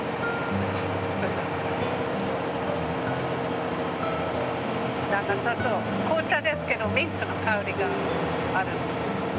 何かちょっと紅茶ですけどミントの香りがある。